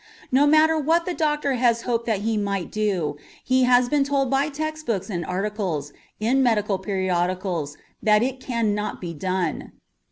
No matter what the doctor has hoped that he might do, he has been told by text books and articles in medical periodicals that it cannot be done.